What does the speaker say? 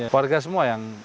warga semua yang